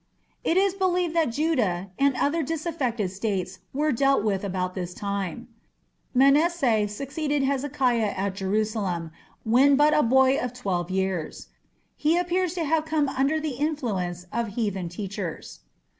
It is believed that Judah and other disaffected States were dealt with about this time. Manasseh had succeeded Hezekiah at Jerusalem when but a boy of twelve years. He appears to have come under the influence of heathen teachers.